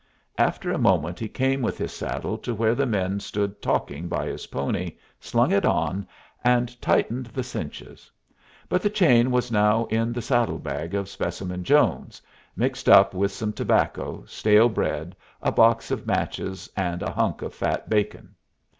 After a moment he came with his saddle to where the men stood talking by his pony, slung it on, and tightened the cinches; but the chain was now in the saddle bag of Specimen Jones, mixed up with some tobacco, stale bread, a box of matches, and a hunk of fat bacon.